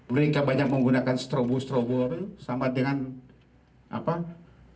mereka banyak menggunakan strobo strobo sama dengan sirinanya